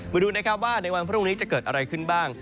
มาดูนะครับว่าในวันพรุ่งนี้จะเกิดอะไรขึ้นบ้าง